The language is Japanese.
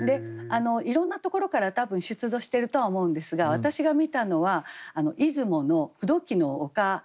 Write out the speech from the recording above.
いろんなところから多分出土してるとは思うんですが私が見たのは出雲の風土記の丘にある展示館。